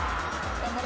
頑張れ。